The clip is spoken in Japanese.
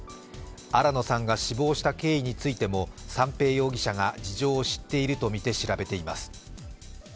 新野さんが死亡した経緯についても三瓶容疑者が事情を知っているとみて調べています。